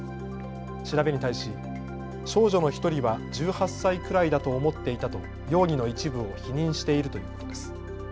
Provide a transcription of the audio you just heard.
調べに対し少女の１人は１８歳くらいだと思っていたと容疑の一部を否認しているということです。